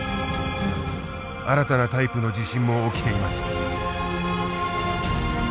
新たなタイプの地震も起きています。